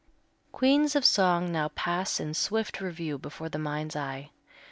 Queens of song now pass in swift review before the mind's eye.